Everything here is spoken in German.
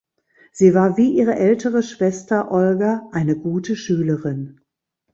Sie war wie ihre ältere Schwester Olga eine gute Schülerin.